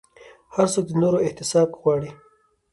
هر څوک د نورو احتساب غواړي